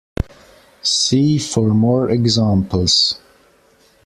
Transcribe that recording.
See for more examples.